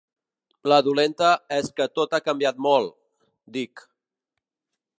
La dolenta és que tot ha canviat molt —dic.